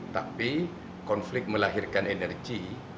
tapi konflik melahirkan energi